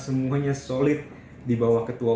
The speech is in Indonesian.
semuanya solid di bawah ketua